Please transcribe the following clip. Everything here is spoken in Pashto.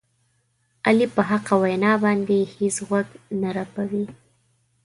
علي په حقه وینا باندې هېڅ غوږ نه رپوي.